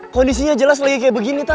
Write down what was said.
kondisinya jelas lagi kayak begini tak